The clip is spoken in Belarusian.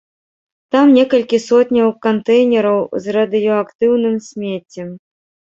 Там некалькі сотняў кантэйнераў з радыеактыўным смеццем.